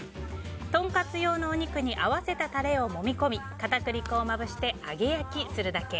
トンカツ用のお肉に合わせたタレをもみ込み片栗粉をまぶして揚げ焼きするだけ。